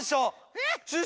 えっ！？